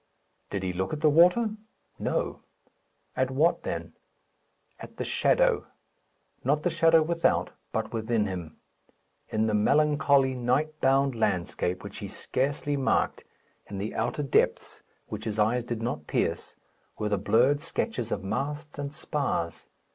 Did he look at the water? No. At what then? At the shadow; not the shadow without, but within him. In the melancholy night bound landscape, which he scarcely marked, in the outer depths, which his eyes did not pierce, were the blurred sketches of masts and spars.